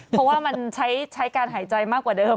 เพราะว่ามันใช้การหายใจมากกว่าเดิม